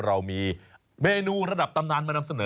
เรามีเมนูระดับตำนานมานำเสนอ